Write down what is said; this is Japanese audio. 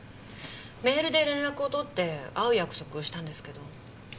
メールで連絡を取って会う約束をしたんですけど。